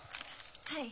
はい。